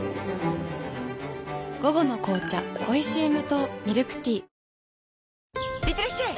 午後の紅茶おいしい無糖ミルクティーいってらっしゃい！